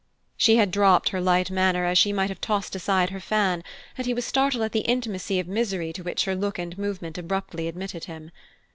She had dropped her light manner as she might have tossed aside her fan, and he was startled at the intimacy of misery to which her look and movement abruptly admitted him.